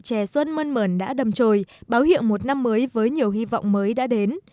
nụ chè xuân mơn mờn đã đâm trồi báo hiệu một năm mới với nhiều hy vọng mới đã đến